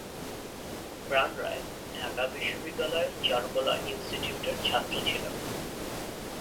প্রাণ রায় ঢাকা বিশ্ববিদ্যালয়ের চারুকলা ইন্সটিটিউটের ছাত্র ছিলেন।